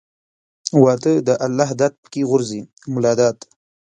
واده د الله داد پکښې غورځي مولاداد.